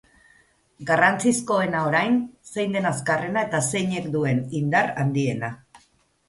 Garrantzizkoena orain, zein den azkarrena eta zeinek duen indar handiena.